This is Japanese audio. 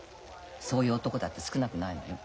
そういう男だって少なくないのよ。